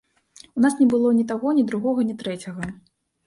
У нас не было ні таго, ні другога, ні трэцяга.